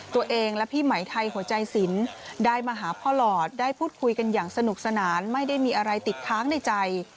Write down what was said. ตัวเองและพี่ไหมไทยหัวใจสินได้มาหาพ่อหลอดได้พูดคุยกันอย่างสนุกสนานไม่ได้มีอะไรติดค้างในใจ